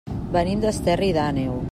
Venim d'Esterri d'Àneu.